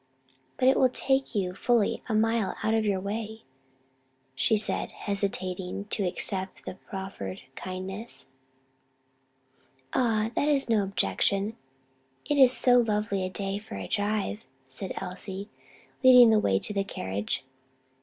"But it will take you fully a mile out of your way," she said, hesitating to accept the proffered kindness. "Ah, that is no objection; it is so lovely a day for a drive," said Elsie, leading the way to the carriage.